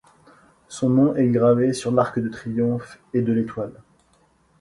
Son nom est gravé sur l'Arc de triomphe de l'Étoile.